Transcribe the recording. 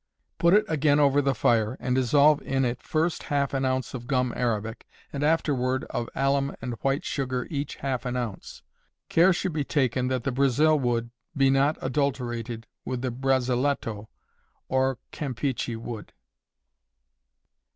Put it again over the fire, and dissolve in it first half an ounce of gum arabic, and afterward of alum and white sugar each half an ounce. Care should be taken that the Brazil wood be not adulterated with the Braziletto or campeachy wood.